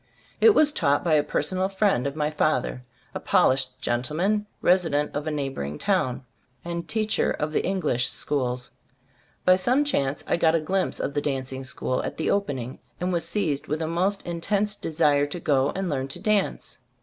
It was taught by a personal friend of my father, a polished gentleman, resident of a neighboring town, and teacher of Eng lish schools. By some chance I got a glimpse of the dancing school at the opening, and was seized with a most intense desire to go and learn to dance.